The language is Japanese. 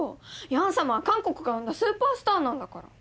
ヤン様は韓国が生んだスーパースターなんだから。